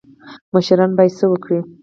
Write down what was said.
مشران باید څه وکړي؟